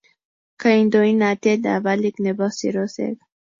Kandoinatet ab alik nebo sirosek